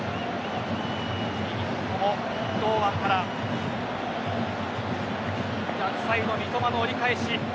右の堂安から逆サイド、三笘の折り返し。